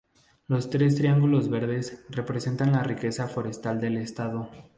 Los tres triángulos verdes representan la riqueza forestal del estado.